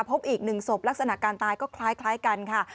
พบอีก๑ศพลักษณะการตายก็คล้ายกันค่ะ